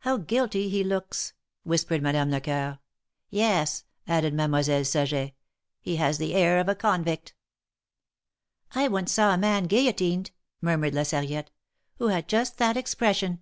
How guilty he looks !" whispered Madame Lecoeur. Yes," added Mademoiselle Saget ; he has the air of a convict !" once saw a man guillotined," murmured La Sar riette, who had just that expression."